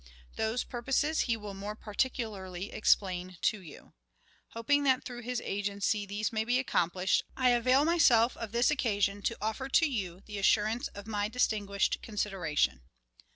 "Those purposes he will more particularly explain to you. Hoping that through his agency these may be accomplished, I avail myself of this occasion to offer to you the assurance of my distinguished consideration."